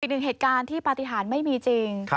อีกหนึ่งเหตุการณ์ที่ปฏิหารไม่มีจริง